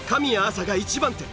采が一番手。